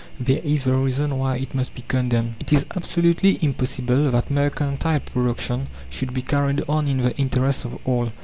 There is the reason why it must be condemned. It is absolutely impossible that mercantile production should be carried on in the interest of all.